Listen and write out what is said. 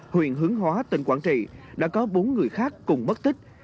huyện hướng hóa tỉnh quảng trị đã có bốn người khác cùng mất tích